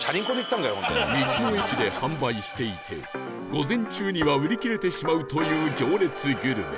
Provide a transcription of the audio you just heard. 道の駅で販売していて午前中には売り切れてしまうという行列グルメ